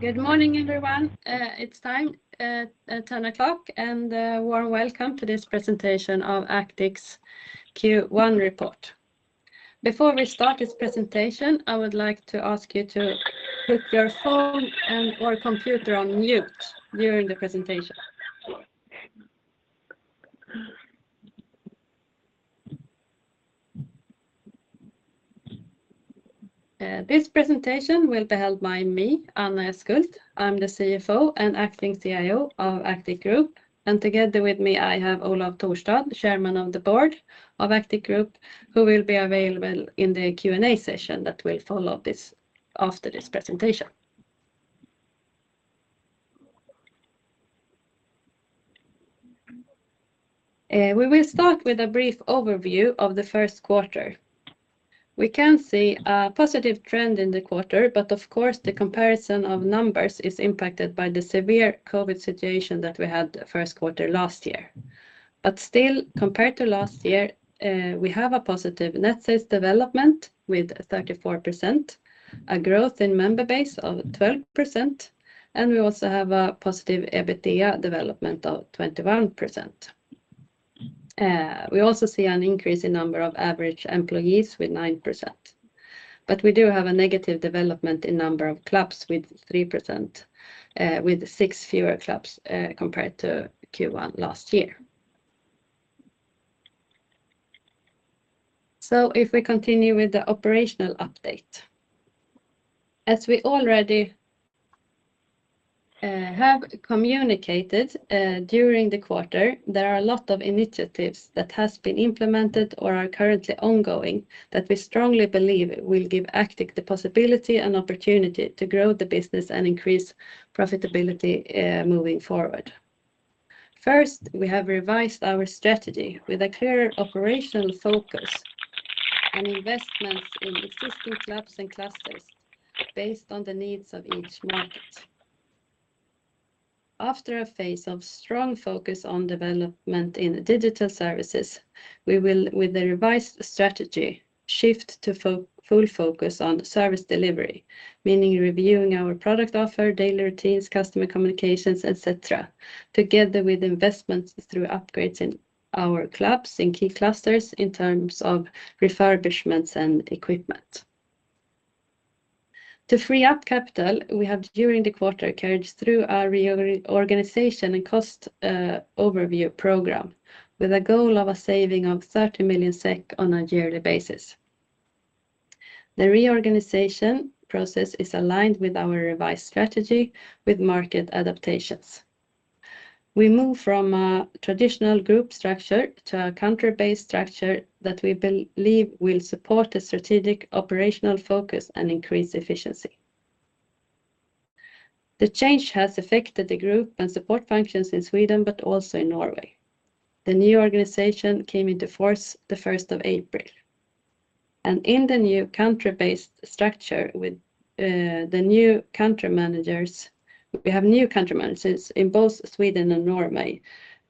Good morning, everyone. It's time, 10:00 A.M., and a warm welcome to this presentation of Actic's Q1 report. Before we start this presentation, I would like to ask you to put your phone and/or computer on mute during the presentation. This presentation will be held by me, Anna Eskhult. I'm the CFO and acting CIO of Actic Group, and together with me I have Olav Thorstad, Chairman of the board of Actic Group, who will be available in the Q&A session that will follow this presentation. We will start with a brief overview of the first quarter. We can see a positive trend in the quarter, but of course the comparison of numbers is impacted by the severe COVID situation that we had first quarter last year. Still, compared to last year, we have a positive net sales development with 34%, a growth in member base of 12%, and we also have a positive EBITDA development of 21%. We also see an increase in number of average employees with 9%, but we do have a negative development in number of clubs with 3%, with six fewer clubs, compared to Q1 last year. If we continue with the operational update. As we already have communicated, during the quarter, there are a lot of initiatives that has been implemented or are currently ongoing that we strongly believe will give Actic the possibility and opportunity to grow the business and increase profitability, moving forward. First, we have revised our strategy with a clearer operational focus and investments in existing clubs and clusters based on the needs of each market. After a phase of strong focus on development in digital services, we will, with the revised strategy, shift to full focus on service delivery, meaning reviewing our product offer, daily routines, customer communications, et cetera, together with investments through upgrades in our clubs and key clusters in terms of refurbishments and equipment. To free up capital, we have during the quarter carried through our reorganization and cost overview program with a goal of a saving of 30 million SEK on a yearly basis. The reorganization process is aligned with our revised strategy with market adaptations. We move from a traditional group structure to a country-based structure that we believe will support a strategic operational focus and increase efficiency. The change has affected the group and support functions in Sweden but also in Norway. The new organization came into force the 1st of April. In the new country-based structure with the new country managers, we have new country managers in both Sweden and Norway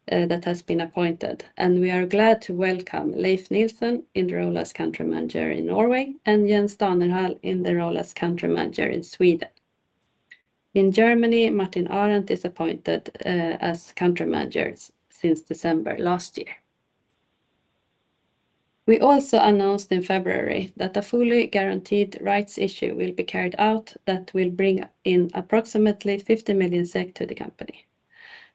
that has been appointed, and we are glad to welcome Leif Nilsen in the role as country manager in Norway and Jens Danerhall in the role as country manager in Sweden. In Germany, Martin Arent is appointed as country manager since December last year. We also announced in February that a fully guaranteed rights issue will be carried out that will bring in approximately 50 million SEK to the company.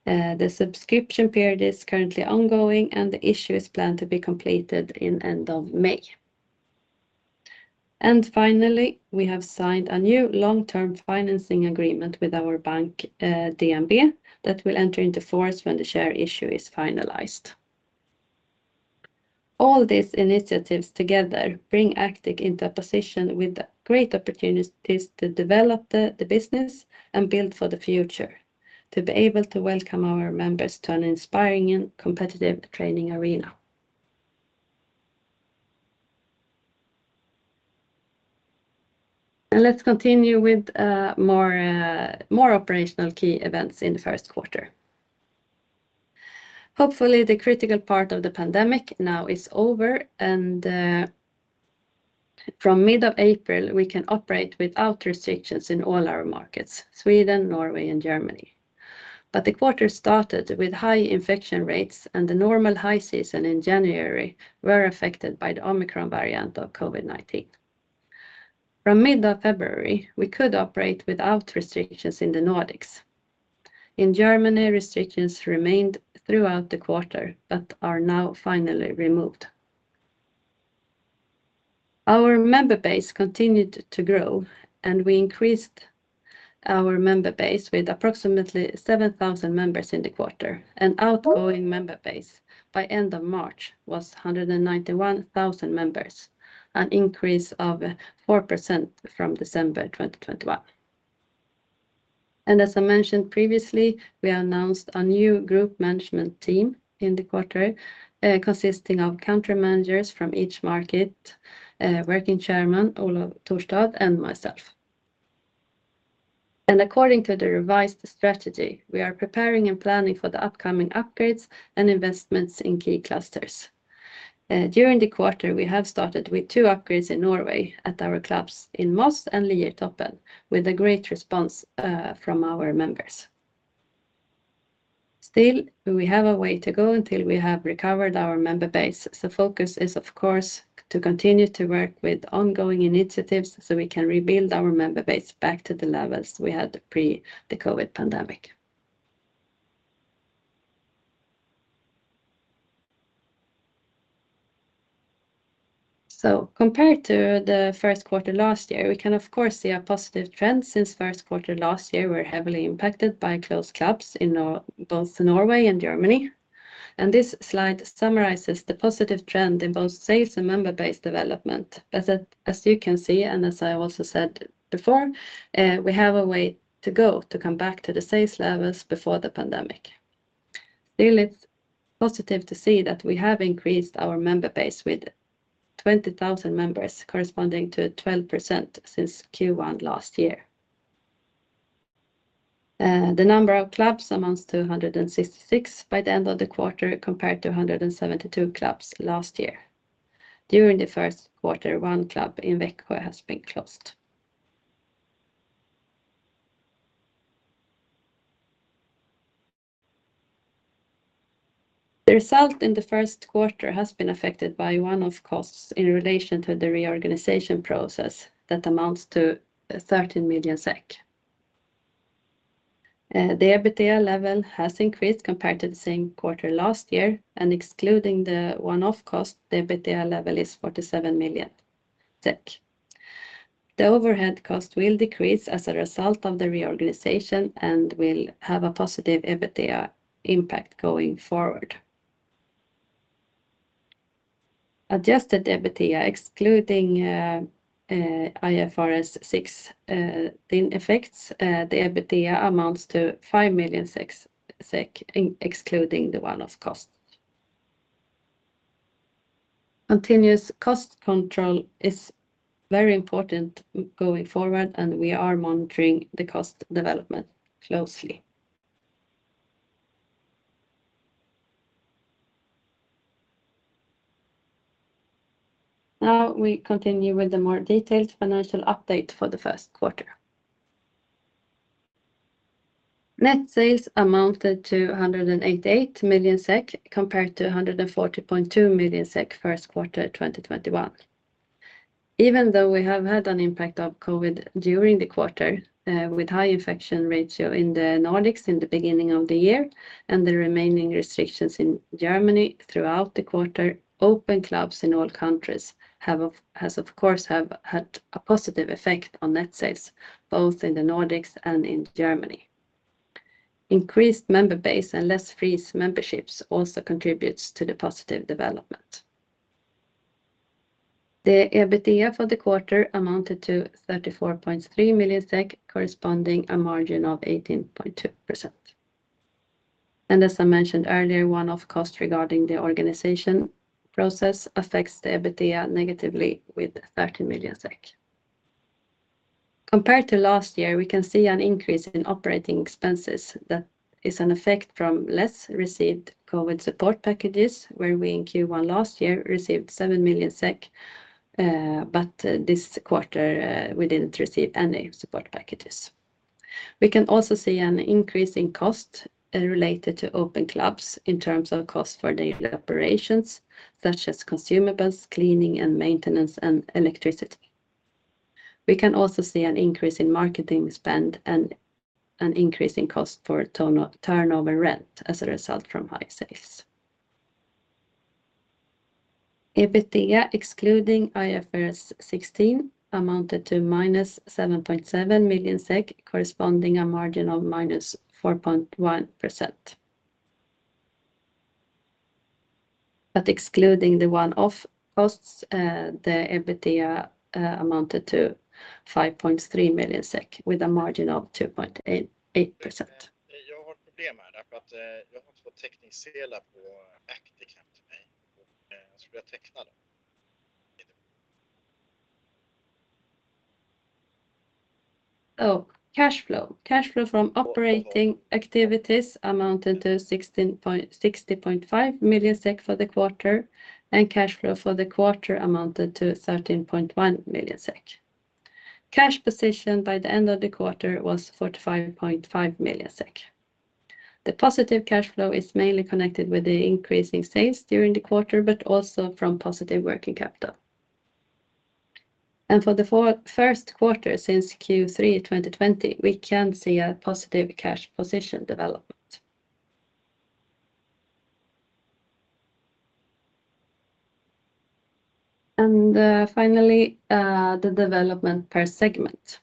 The subscription period is currently ongoing, and the issue is planned to be completed in end of May. Finally, we have signed a new long-term financing agreement with our bank, DNB, that will enter into force when the share issue is finalized. All these initiatives together bring Actic into a position with great opportunities to develop the business and build for the future, to be able to welcome our members to an inspiring and competitive training arena. Let's continue with more operational key events in the first quarter. Hopefully, the critical part of the pandemic now is over, and from mid of April, we can operate without restrictions in all our markets, Sweden, Norway, and Germany. The quarter started with high infection rates, and the normal high season in January were affected by the Omicron variant of COVID-19. From mid of February, we could operate without restrictions in the Nordics. In Germany, restrictions remained throughout the quarter but are now finally removed. Our member base continued to grow, and we increased our member base with approximately 7,000 members in the quarter, and outgoing member base by end of March was 191,000 members, an increase of 4% from December 2021. As I mentioned previously, we announced a new group management team in the quarter, consisting of country managers from each market, working Chairman Olav Thorstad, and myself. According to the revised strategy, we are preparing and planning for the upcoming upgrades and investments in key clusters. During the quarter, we have started with two upgrades in Norway at our clubs in Moss and Liertoppen with a great response from our members. Still, we have a way to go until we have recovered our member base. The focus is, of course, to continue to work with ongoing initiatives so we can rebuild our member base back to the levels we had pre the COVID pandemic. Compared to the first quarter last year, we can of course see a positive trend since first quarter last year were heavily impacted by closed clubs in both Norway and Germany. This slide summarizes the positive trend in both sales and member-based development. As you can see, and as I also said before, we have a way to go to come back to the sales levels before the pandemic. Still, it's positive to see that we have increased our member base with 20,000 members corresponding to 12% since Q1 last year. The number of clubs amounts to 166 by the end of the quarter compared to 172 clubs last year. During the first quarter, one club in Växjö has been closed. The result in the first quarter has been affected by one-off costs in relation to the reorganization process that amounts to 13 million SEK. The EBITDA level has increased compared to the same quarter last year, and excluding the one-off cost, the EBITDA level is 47 million. The overhead cost will decrease as a result of the reorganization and will have a positive EBITDA impact going forward. Adjusted EBITDA excluding IFRS 16 lease effects, the EBITDA amounts to 5 million SEK excluding the one-off cost. Continuous cost control is very important going forward, and we are monitoring the cost development closely. Now we continue with the more detailed financial update for the first quarter. Net sales amounted to 188 million SEK compared to 140.2 million SEK first quarter 2021. Even though we have had an impact of COVID during the quarter, with high infection ratio in the Nordics in the beginning of the year and the remaining restrictions in Germany throughout the quarter, open clubs in all countries have of course had a positive effect on net sales both in the Nordics and in Germany. Increased member base and less freeze memberships also contributes to the positive development. The EBITDA for the quarter amounted to 34.3 million SEK, corresponding to a margin of 18.2%. As I mentioned earlier, one-off cost regarding the organization process affects the EBITDA negatively with 13 million SEK. Compared to last year, we can see an increase in operating expenses that is an effect from less received COVID support packages, where we in Q1 last year received 7 million SEK, but this quarter, we didn't receive any support packages. We can also see an increase in cost related to open clubs in terms of cost for daily operations such as consumables, cleaning and maintenance, and electricity. We can also see an increase in marketing spend and an increase in cost for turnover rent as a result from high sales. EBITDA excluding IFRS 16 amounted to -7.7 million SEK, corresponding to a margin of -4.1%. Excluding the one-off costs, the EBITDA amounted to 5.3 million SEK with a margin of 2.88%. Oh, cash flow. Cash flow from operating activities amounted to 60.5 million SEK for the quarter, and cash flow for the quarter amounted to 13.1 million SEK. Cash position by the end of the quarter was 45.5 million SEK. The positive cash flow is mainly connected with the increase in sales during the quarter, but also from positive working capital. For the first quarter since Q3 2020, we can see a positive cash position development. The development per segment.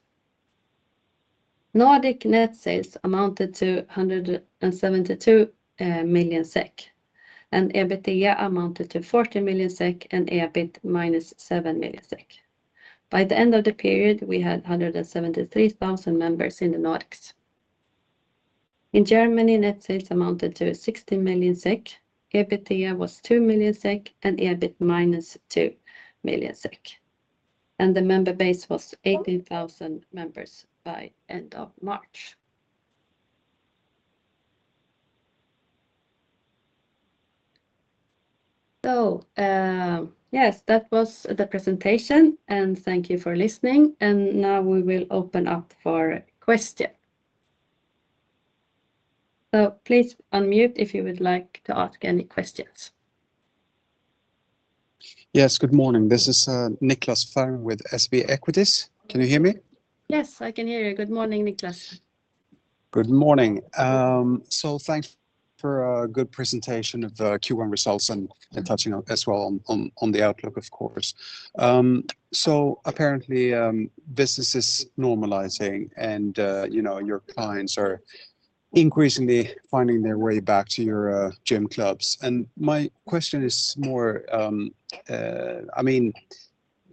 Nordic net sales amounted to 172 million SEK, and EBITDA amounted to 40 million SEK and EBIT -7 million SEK. By the end of the period, we had 173,000 members in the Nordics. In Germany, net sales amounted to 60 million SEK. EBITDA was 2 million SEK and EBIT -2 million SEK. The member base was 18,000 members by end of March. Yes, that was the presentation, and thank you for listening. Now we will open up for question. Please unmute if you would like to ask any questions. Yes, good morning. This is, Niklas Fhärm with SEB Equities. Can you hear me? Yes, I can hear you. Good morning, Nicholas. Good morning. Thanks for a good presentation of the Q1 results and touching on as well on the outlook of course. Apparently, business is normalizing and, you know, your clients are increasingly finding their way back to your gym clubs. My question is more, I mean,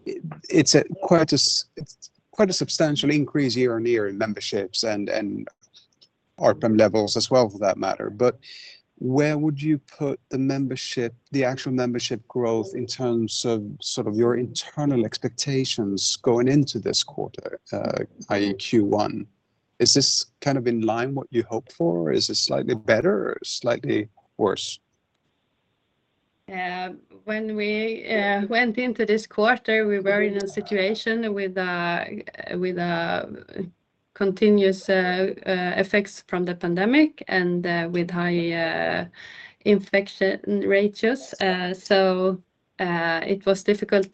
it's quite a substantial increase year-over-year in memberships and RPM levels as well for that matter. Where would you put the membership, the actual membership growth in terms of sort of your internal expectations going into this quarter, i.e. Q1? Is this kind of in line what you hoped for? Is this slightly better or slightly worse? When we went into this quarter, we were in a situation with a continuous effect from the pandemic and with high infection rates. It was difficult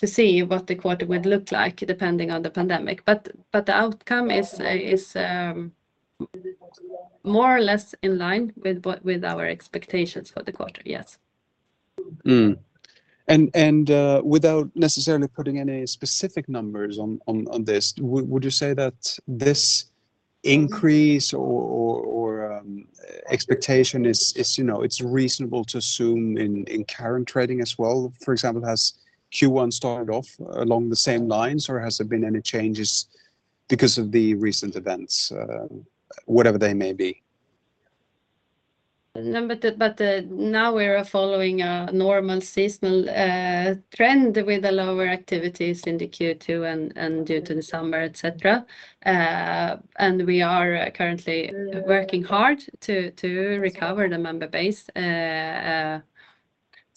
to see what the quarter would look like depending on the pandemic, but the outcome is more or less in line with our expectations for the quarter, yes. Without necessarily putting any specific numbers on this, would you say that this increase or expectation is, you know, it's reasonable to assume in current trading as well? For example, has Q1 started off along the same lines, or has there been any changes because of the recent events, whatever they may be? No, but now we're following a normal seasonal trend with the lower activities in the Q2 and due to the summer, et cetera. We are currently working hard to recover the member base. With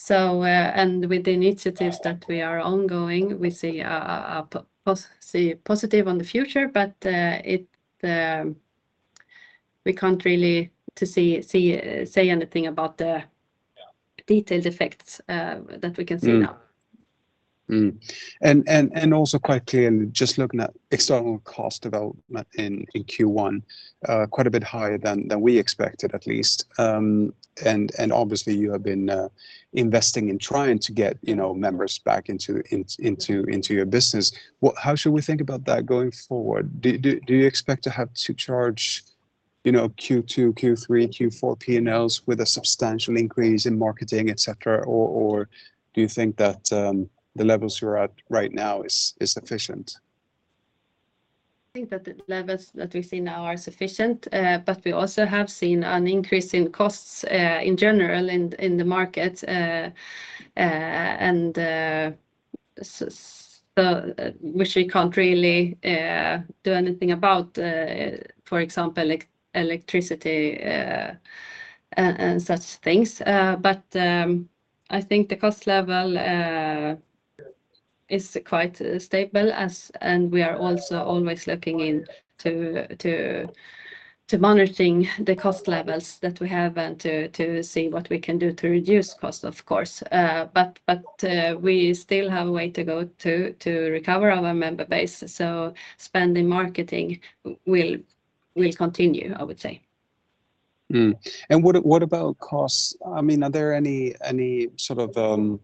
the initiatives that are ongoing, we see positive on the future, but we can't really say anything about the detailed effects that we can see now. Also quickly, just looking at external cost development in Q1, quite a bit higher than we expected at least. Obviously, you have been investing in trying to get, you know, members back into your business. How should we think about that going forward? Do you expect to have to charge, you know, Q2, Q3, Q4 P&Ls with a substantial increase in marketing, et cetera? Or do you think that the levels you're at right now is sufficient? I think that the levels that we see now are sufficient, but we also have seen an increase in costs in general in the market, which we can't really do anything about. For example, electricity and such things. I think the cost level is quite stable, and we are also always looking into monitoring the cost levels that we have and to see what we can do to reduce cost of course. We still have a way to go to recover our member base. Spend and marketing will continue, I would say. What about costs? I mean, are there any sort of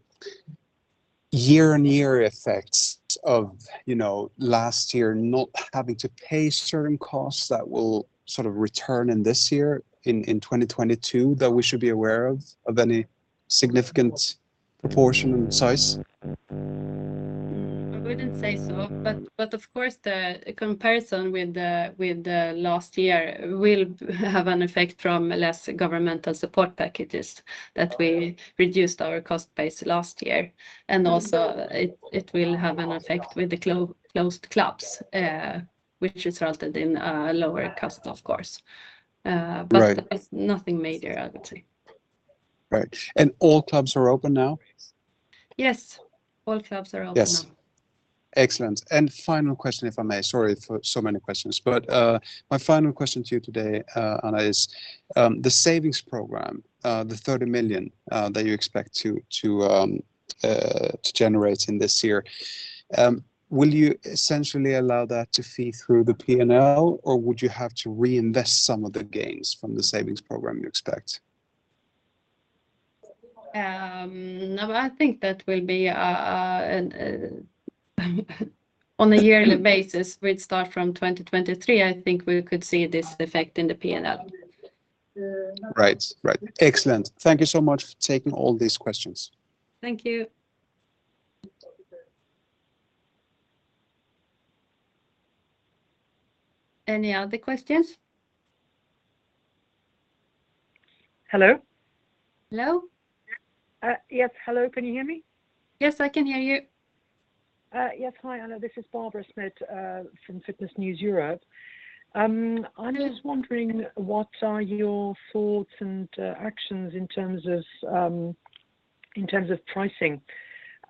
year-over-year effects of, you know, last year not having to pay certain costs that will sort of return in this year, in 2022 that we should be aware of any significant proportion and size? I wouldn't say so, but of course the comparison with the last year will have an effect from less governmental support packages that we reduced our cost base last year. Also it will have an effect with the closed clubs, which resulted in a lower cost of course. Right It's nothing major I would say. Right. All clubs are open now? Yes. All clubs are open now. Yes. Excellent. Final question if I may. Sorry for so many questions, but my final question to you today, Anna, is the savings program, the 30 million that you expect to generate in this year, will you essentially allow that to feed through the P&L, or would you have to reinvest some of the gains from the savings program you expect? No, I think that will be on a yearly basis. We'd start from 2023. I think we could see this effect in the P&L. Right. Right. Excellent. Thank you so much for taking all these questions. Thank you. Any other questions? Hello? Hello. Yes. Hello. Can you hear me? Yes, I can hear you. Yes. Hi, Anna. This is Barbara Smit from Fitness News Europe. I was wondering what are your thoughts and actions in terms of pricing.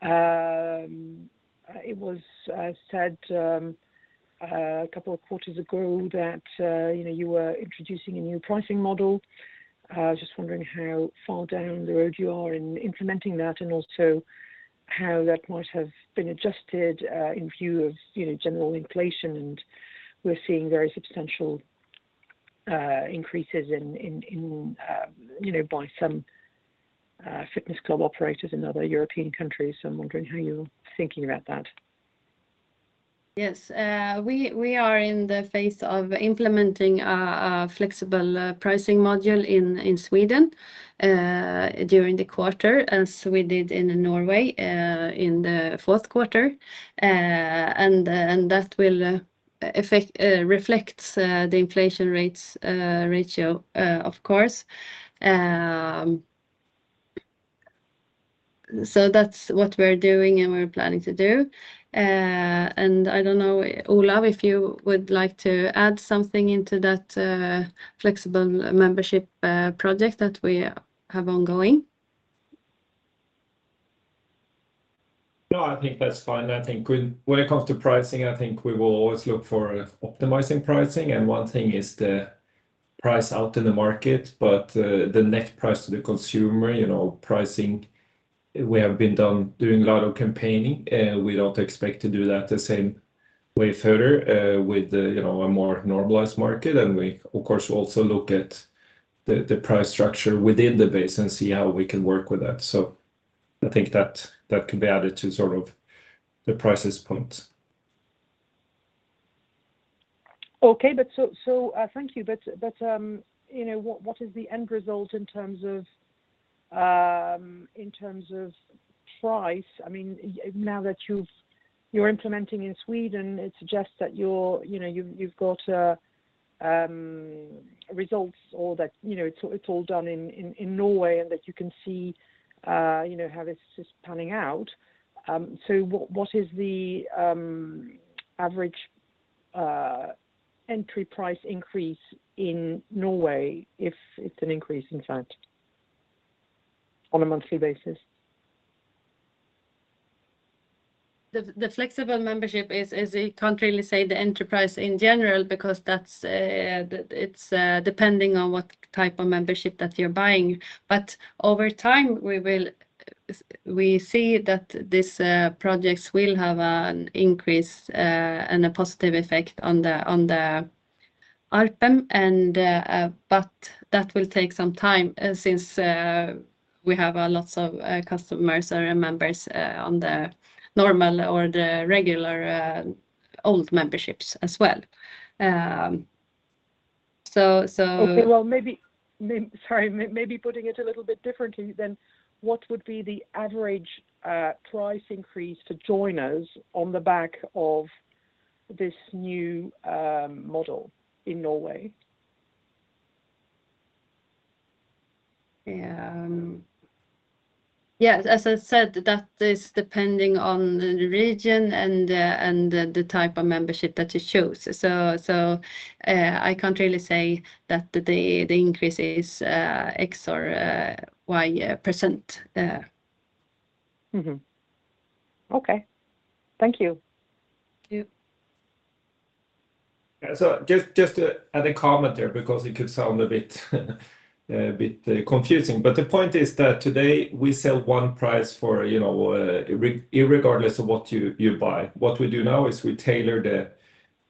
It was said a couple of quarters ago that, you know, you were introducing a new pricing model. Just wondering how far down the road you are in implementing that, and also how that might have been adjusted in view of, you know, general inflation. We're seeing very substantial increases in, you know, by some fitness club operators in other European countries. I'm wondering how you're thinking about that. Yes. We are in the phase of implementing a flexible pricing module in Sweden during the quarter, as we did in Norway in the fourth quarter. That reflects the inflation rate ratio, of course. That's what we're doing and we're planning to do. I don't know, Olav, if you would like to add something into that flexible membership project that we have ongoing. No, I think that's fine. I think when it comes to pricing, I think we will always look for optimizing pricing, and one thing is the price out in the market, but the net price to the consumer, you know, pricing, we have been doing a lot of campaigning. We don't expect to do that the same way further, with you know, a more normalized market. We of course also look at the price structure within the base and see how we can work with that. I think that can be added to sort of the price point. Thank you. You know, what is the end result in terms of price? I mean, now that you're implementing in Sweden, it suggests that you're, you know, you've got results or that, you know, it's all done in Norway and that you can see, you know, how this is panning out. What is the average entry price increase in Norway if it's an increase in fact, on a monthly basis? The flexible membership is you can't really say the average in general, because that's. It's depending on what type of membership that you're buying. Over time, we see that these projects will have an increase and a positive effect on the ARPM and but that will take some time, since we have lots of customers and members on the normal or the regular old memberships as well. Okay. Well, maybe putting it a little bit differently then. What would be the average price increase to joiners on the back of this new model in Norway? Yes, as I said, that is depending on the region and the type of membership that you choose. I can't really say that the increase is X or Y percent. Okay. Thank you. Yeah. Just to add a comment there, because it could sound a bit confusing, but the point is that today we sell one price for, you know, irregardless of what you buy. What we do now is we tailor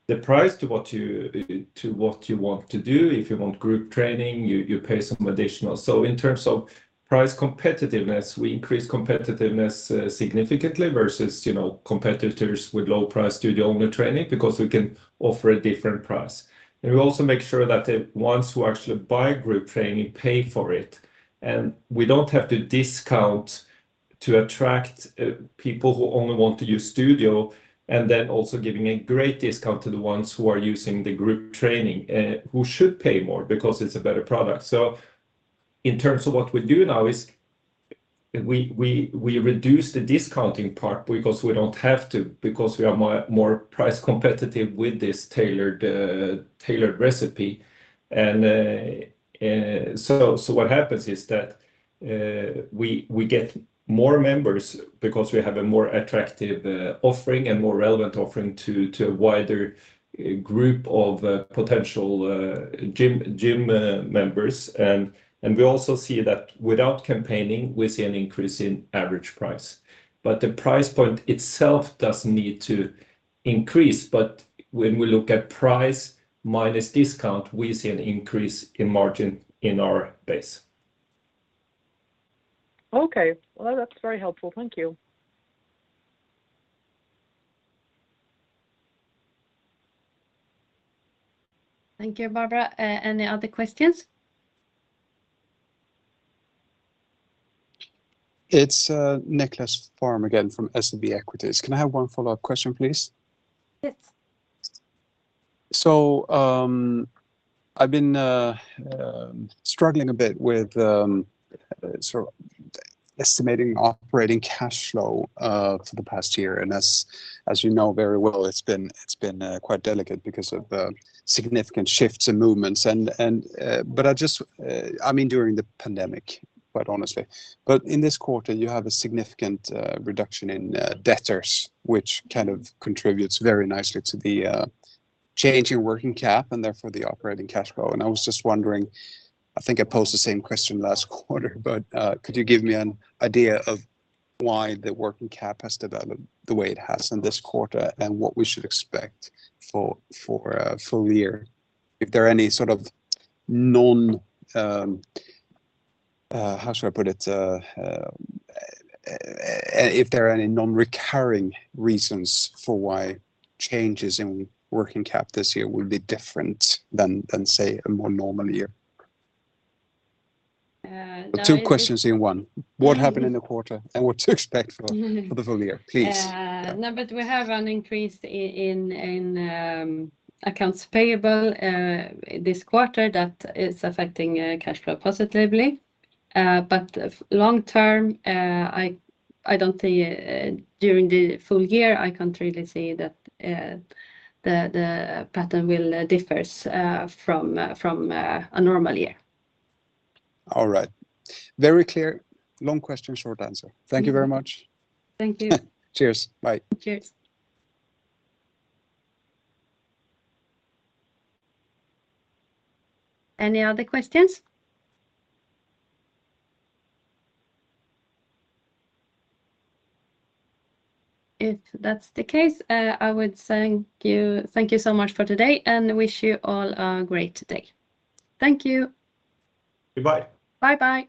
the price to what you want to do. If you want group training, you pay some additional. In terms of price competitiveness, we increase competitiveness significantly versus, you know, competitors with low price studio-only training because we can offer a different price. We also make sure that the ones who actually buy group training pay for it. We don't have to discount to attract people who only want to use studio and then also giving a great discount to the ones who are using the group training who should pay more because it's a better product. In terms of what we do now is we reduce the discounting part because we don't have to because we are more price competitive with this tailored recipe. What happens is that we get more members because we have a more attractive offering and more relevant offering to a wider group of potential gym members. We also see that without campaigning, we see an increase in average price, but the price point itself doesn't need to increase. When we look at price minus discount, we see an increase in margin in our base. Okay. Well, that's very helpful. Thank you. Thank you, Barbara. Any other questions? It's Niklas Fhärm again from SEB Equities. Can I have one follow-up question, please? Yes. I've been struggling a bit with sort of estimating operating cash flow for the past year, and as you know very well, it's been quite delicate because of the significant shifts and movements. I mean, during the pandemic, quite honestly. In this quarter, you have a significant reduction in debtors, which kind of contributes very nicely to the change in working cap and therefore the operating cash flow. I was just wondering, I think I posed the same question last quarter, but could you give me an idea of why the working cap has developed the way it has in this quarter, and what we should expect for a full year? If there are any non-recurring reasons for why changes in working cap this year will be different than, say, a more normal year? I think. Two questions in one. What happened in the quarter, and what to expect for the full year, please? No, we have an increase in accounts payable this quarter that is affecting cash flow positively. Long term, I don't think during the full year, I can't really see that the pattern will differs from a normal year. All right. Very clear. Long question, short answer. Thank you very much. Thank you. Cheers. Bye. Cheers. Any other questions? If that's the case, I would thank you, thank you so much for today and wish you all a great day. Thank you. Goodbye. Bye bye.